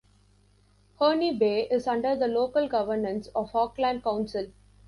Herne Bay is under the local governance of Auckland Council.